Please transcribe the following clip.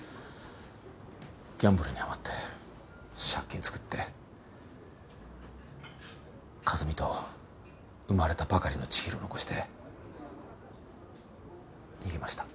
ギャンブルにはまって借金作って和美と生まれたばかりのちひろを残して逃げました。